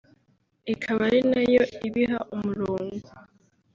ikaba ari nayo ibiha umurongo